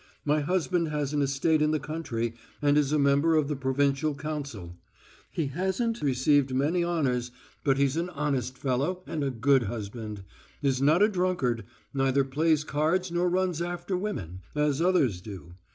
My husband has an estate in the country, and is a member of the Provincial Council. He hasn't received many honours, but he's an honest fellow and a good husband, is not a drunkard, neither plays cards nor runs after women, as others do....